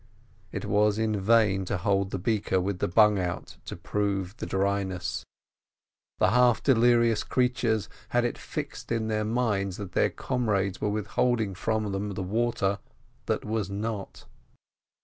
It was in vain to hold the breaker with the bung out to prove its dryness, the half delirious creatures had it fixed in their minds that their comrades were withholding from them the water that was not.